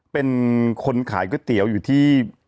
เป็นคนขายก๋วยเตี๋ยวอยู่ที่